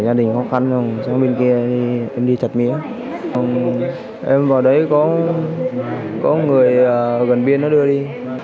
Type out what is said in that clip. thì gần biên nó đưa đi